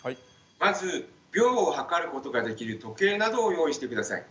まず秒を計ることができる時計などを用意して下さい。